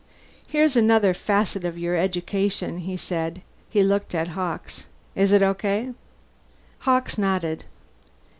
"Here's another facet of your education," he said. He looked at Hawkes. "Is it okay?" Hawkes nodded.